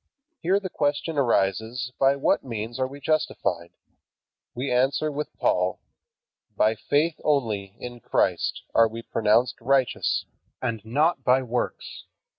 Here the question arises by what means are we justified? We answer with Paul, "By faith only in Christ are we pronounced righteous, and not by works."